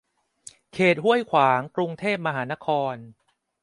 เขตห้วยขวาง กรุงเทพมหานคร